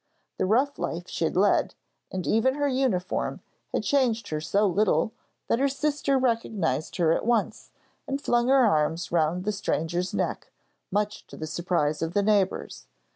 The rough life she had led, and even her uniform, had changed her so little that her sister recognised her at once, and flung her arms round the stranger's neck, much to the surprise of the neighbours.